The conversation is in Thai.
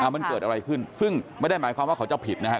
มันเกิดอะไรขึ้นซึ่งไม่ได้หมายความว่าเขาจะผิดนะครับ